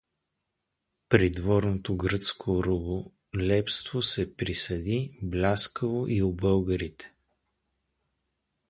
Придворното гръцко раболепство се присади бляскаво и у българите.